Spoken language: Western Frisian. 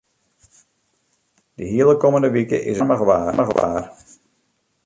De hiele kommende wike is it stoarmich waar.